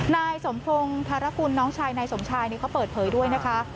นายสมพงศ์ธารกุลน้องชายนายสมชายนี่เขาเปิดเผยด้วยนะคะ